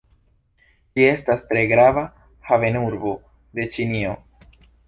Ĝi estas tre grava havenurbo de Ĉinio.